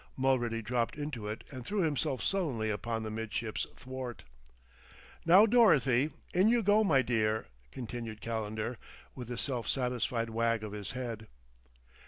Mulready dropped into it and threw himself sullenly upon the midships thwart. "Now, Dorothy, in you go, my dear," continued Calendar, with a self satisfied wag of his head.